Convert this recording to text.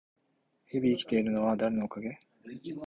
日々生きられているのは誰のおかげ？